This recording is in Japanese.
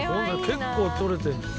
結構とれてる。